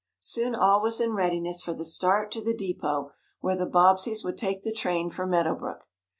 Soon all was in readiness for the start to the depot where the Bobbseys would take the train for Meadow Brook.